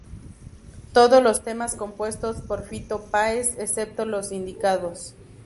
Todos los temas compuestos por Fito Páez, excepto los indicados.